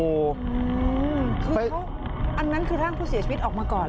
คืออันนั้นคือร่างผู้เสียชีวิตออกมาก่อน